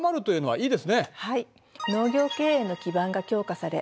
はい。